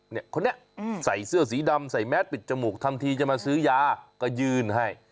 เนี่ยคนนี้ใส่เสื้อสีดำใส่แมสปิดจมูกทำทีจะมาซื้อยาก็ยืนให้